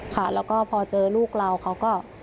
ค่ะแล้วก็พอเจอลูกเราเขาก็